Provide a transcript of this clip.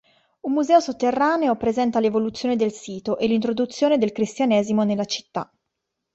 Un museo sotterraneo presenta l'evoluzione del sito e l'introduzione del cristianesimo nella città.